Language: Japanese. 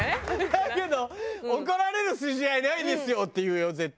だけど「怒られる筋合いないですよ」って言うよ絶対。